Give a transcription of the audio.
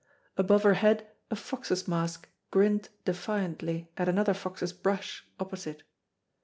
Above her head a fox's mask grinned defiantly at another fox's brush opposite.